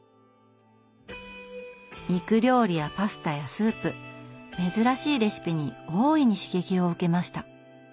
肉料理やパスタやスープ珍しいレシピに大いに刺激を受けました。